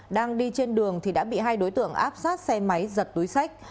đang đi trên đường thì đã bị hai đối tượng áp sát xe máy giật túi sách